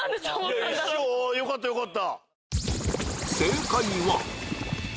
いやよかったよかった。